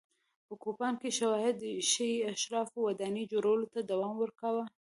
په کوپان کې شواهد ښيي اشرافو ودانۍ جوړولو ته دوام ورکاوه.